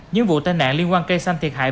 những vụ tai nạn liên quan cây xanh thiệt hại